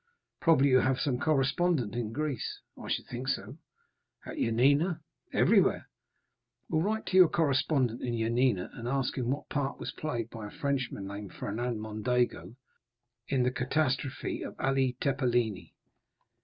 "Probably you have some correspondent in Greece?" "I should think so." "At Yanina?" "Everywhere." "Well, write to your correspondent in Yanina, and ask him what part was played by a Frenchman named Fernand Mondego in the catastrophe of Ali Tepelini."